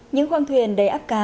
những khoang thuyền đầy áp cá